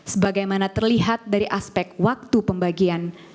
sebagaimana terlihat dari aspek waktu pembagian